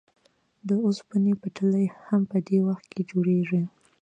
د اوسپنې پټلۍ هم په دې وخت کې جوړېږي